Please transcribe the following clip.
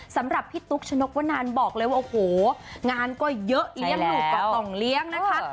สำหรับพี่ตุ๊กชนกวนานบอกเลยว่าโอ้โหงานก็เยอะเลี้ยงลูกก็ต้องเลี้ยงนะคะ